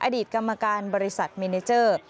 อดีตกรรมการบริษัทเมเนเจอร์